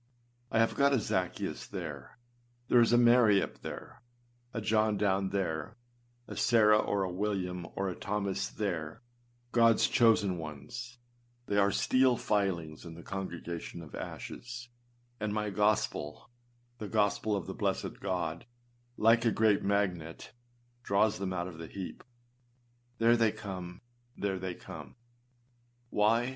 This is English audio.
I have got a Zaccheus there; there is a Mary up there, a John down there, a Sarah, or a William, or a Thomas, there â Godâs chosen ones â they are steel filings in the congregation of ashes, and my gospel, the gospel of the blessed God, like a great magnet, draws them 331 Spurgeonâs Sermons Vol. II ClassicChristianLibrary.com out of the heap. There they come, there they come. Why?